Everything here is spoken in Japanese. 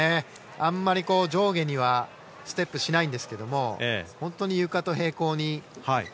あまり上下にはステップしないんですけれども本当に床と平行に。